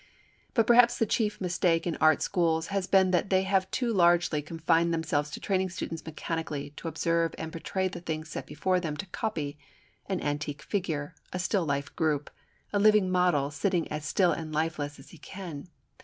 But perhaps the chief mistake in Art Schools has been that they have too largely confined themselves to training students mechanically to observe and portray the thing set before them to copy, an antique figure, a still life group, a living model sitting as still and lifeless as he can.